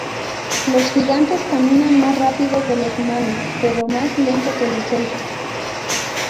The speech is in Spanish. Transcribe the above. Los gigantes caminan más rápido que los humanos pero más lento que los elfos.